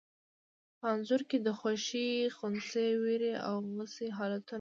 په انځور کې د خوښي، خنثی، وېرې او غوسې حالتونه وو.